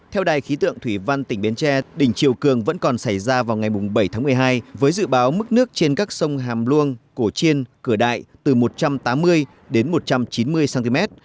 theo đài khí tượng thủy văn tỉnh bến tre đỉnh chiều cường vẫn còn xảy ra vào ngày bảy tháng một mươi hai với dự báo mức nước trên các sông hàm luông cổ chiên cửa đại từ một trăm tám mươi đến một trăm chín mươi cm